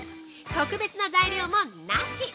特別な材料もなし！